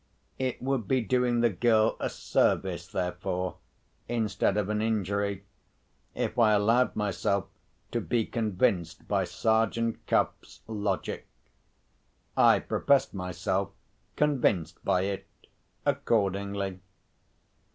It would be doing the girl a service, therefore, instead of an injury, if I allowed myself to be convinced by Sergeant Cuff's logic. I professed myself convinced by it accordingly.